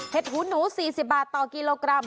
หูหนู๔๐บาทต่อกิโลกรัม